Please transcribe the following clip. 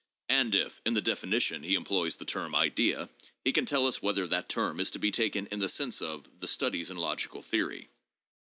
And if in the definition he employs the term idea, he can tell us whether that term is to be taken in the sense of the "Studies in Logical Theory."